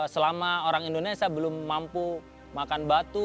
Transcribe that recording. selama orang indonesia belum mampu makan batu